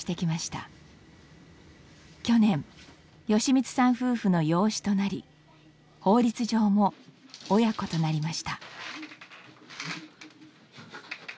去年美光さん夫婦の養子となり法律上も親子となりました。